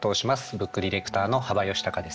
ブックディレクターの幅允孝です。